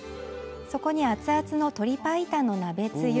そこに熱々の鶏パイタンの鍋つゆ。